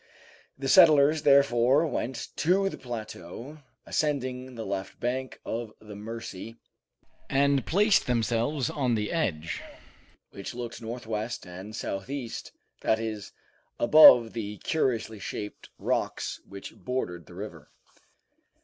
The settlers, therefore, went to the plateau, ascending the left bank of the Mercy, and placed themselves on the edge which looked northwest and southeast, that is, above the curiously shaped rocks which bordered the river.